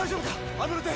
アメロテ」